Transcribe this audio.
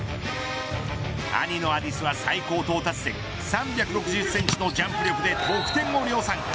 兄のアディスは最高到達点３６０センチのジャンプ力で得点を量産。